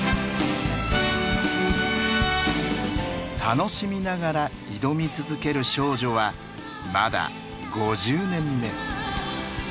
楽しみながら挑み続ける少女はまだ５０年目。